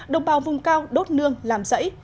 đồng bào vùng cao đốt nương làm rẫy